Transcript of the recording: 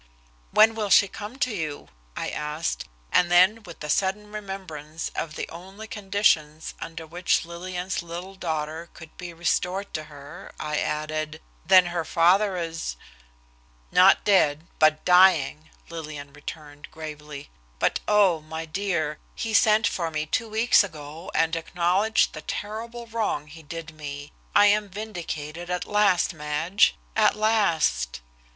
"When will she come to you?" I asked, and then with a sudden remembrance of the only conditions under which Lillian's little daughter could be restored to her, I added, "then her father is " "Not dead, but dying," Lillian returned gravely, "but oh, my dear, he sent for me two weeks ago and acknowledged the terrible wrong he did me. I am vindicated at last, Madge at last."